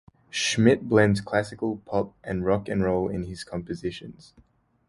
Schmidt blends classical, pop, and rock and roll in his compositions.